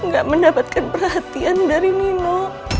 gak mendapatkan perhatian dari nino